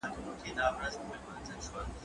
زه مخکي سينه سپين کړی و؟